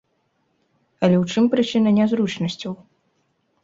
Але ў чым прычына нязручнасцяў?